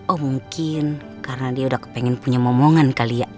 oh mungkin karena dia udah kepengen punya omongan kali ya